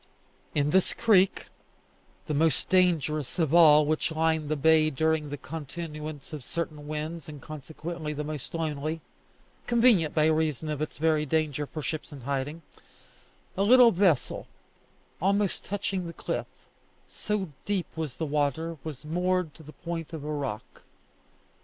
In this creek, the most dangerous of all which line the bay during the continuance of certain winds, and consequently the most lonely convenient, by reason of its very danger, for ships in hiding a little vessel, almost touching the cliff, so deep was the water, was moored to a point of rock.